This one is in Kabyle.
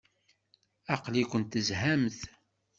Aql-ikent tezhamt?